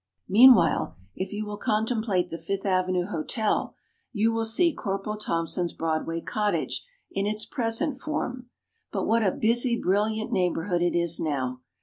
Meanwhile, if you will contemplate the Fifth Avenue Hotel you will see Corporal Thompson's Broadway Cottage in its present form. But what a busy, brilliant neighborhood it is now!